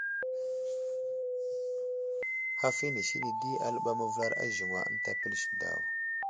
Haf inisi di aləɓay məvəlar a aziŋwa ənta pəlis daw.